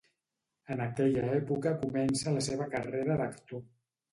En aquella època comença la seva carrera d'actor.